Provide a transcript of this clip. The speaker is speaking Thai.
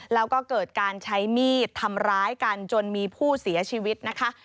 แล้วก็เกิดการใช้มีดทำร้ายกันจนมีผู้เสียชีวิตนะคะ